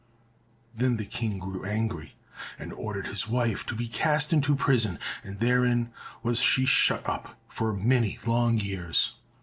Then the King grew angry, and ordered his wife to be cast into prison, and therein was she shut up for many long years.